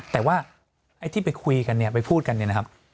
แต่ว่าไอ้ที่ไปคุยกันเนี่ยไปพูดกันเนี่ยนะครับ